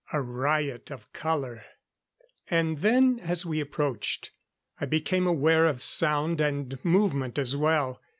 A riot of color. And then as we approached, I became aware of sound and movement as well.